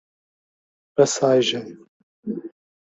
Passagem